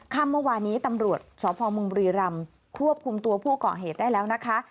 เมื่อวานี้ตำรวจสพมบุรีรำควบคุมตัวผู้ก่อเหตุได้แล้วนะคะ